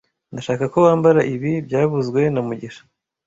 Ndashaka ko wambara ibi byavuzwe na mugisha